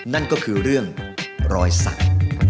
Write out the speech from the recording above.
นั่นก็คือเรื่องรอยสัก